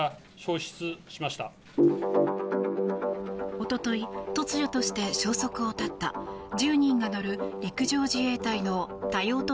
おととい突如として消息を絶った１０人が乗る陸上自衛隊の多用途